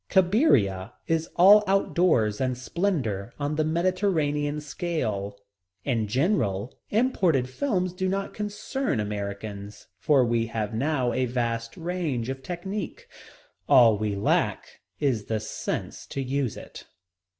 Cabiria is all out doors and splendor on the Mediterranean scale. In general, imported films do not concern Americans, for we have now a vast range of technique. All we lack is the sense to use it.